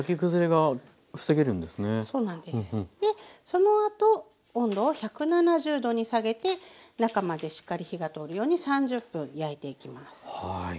そのあと温度を１７０℃に下げて中までしっかり火が通るように３０分焼いていきます。